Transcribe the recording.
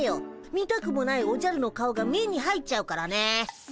見たくもないおじゃるの顔が目に入っちゃうからね。